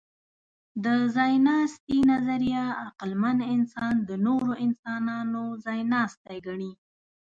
د ځایناستي نظریه عقلمن انسان د نورو انسانانو ځایناستی ګڼي.